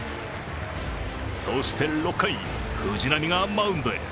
そして６回、藤浪がマウンドへ。